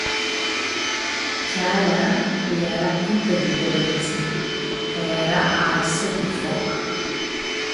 Chealea lj-eara tutã di ------ belezi ca eara arsã di foc.